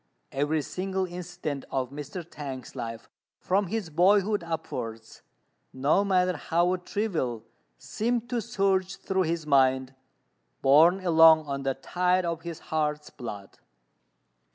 Every single incident of Mr. T'ang's life from his boyhood upwards, no matter how trivial, seemed to surge through his mind, borne along on the tide of his heart's blood.